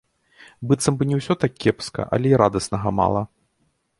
Быццам бы не ўсё так кепска, але і радаснага мала.